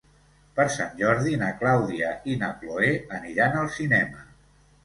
Per Sant Jordi na Clàudia i na Cloè aniran al cinema.